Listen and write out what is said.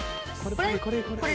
これ？